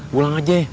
pulang aja ya